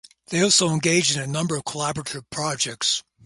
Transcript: They also engage in a number of collaborative projects.